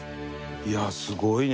いやすごいね。